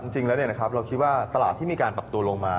จริงแล้วเราคิดว่าตลาดที่มีการปรับตัวลงมา